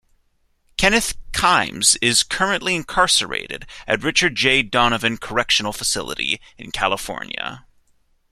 Kenneth Kimes is currently incarcerated at Richard J. Donovan Correctional Facility in California.